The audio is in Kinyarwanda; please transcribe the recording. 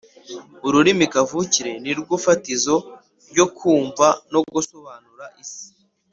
Ururimi kavukire ni rwo fatizo ryo kumva no gusobanura isi.